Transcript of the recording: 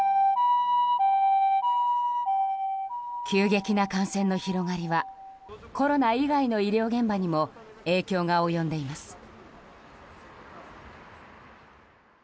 急激な感染の広がりはコロナ以外の医療現場にも影響が及んでいます。